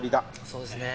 そうですね。